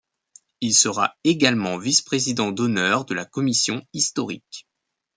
Il sera également vice-président d’honneur de la commission historique.